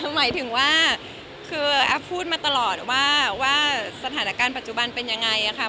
คือหมายถึงว่าคือแอฟพูดมาตลอดว่าสถานการณ์ปัจจุบันเป็นยังไงค่ะ